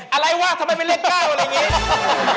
อะไรวะทำไมไม่เล่นก้าวอะไรอย่างนี้